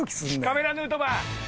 カメラヌートバー！